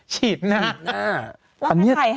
ฉีดหน้า